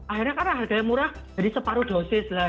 akhirnya karena harga yang murah jadi separuh dosis lah